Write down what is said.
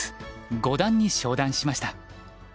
五段に昇段しました。